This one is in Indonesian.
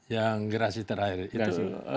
yang gerasi terakhir itu